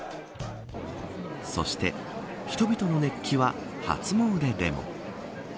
そして人々の熱気は初詣でも。